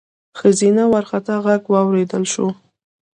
ښځينه وارخطا غږ واورېدل شو: